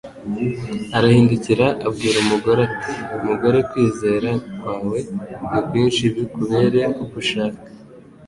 arahindukira abwira umugore ati: "Mugore kwizera kwawe ni kwinshi bikubere uko ushaka."